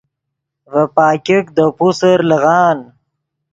ڤے پاګیک دے پوسر لیغان